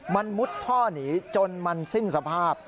มันมุดท่อหนีจนมันสิ้นสภาพ